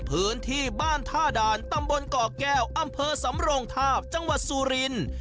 พื้นที่บ้านท่าด่านตำบลเกาะแก้วอำเภอสำโรงทาบจังหวัดสุรินทร์